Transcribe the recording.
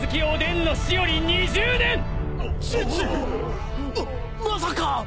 まっまさか！